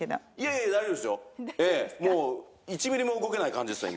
ええもう１ミリも動けない感じでした今。